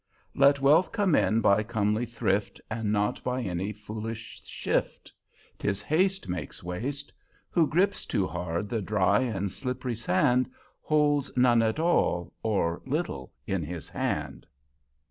_ Let wealth come in by comely thrift, And not by any foolish shift: 'Tis haste Makes waste: Who gripes too hard the dry and slippery sand Holds none at all, or little, in his hand.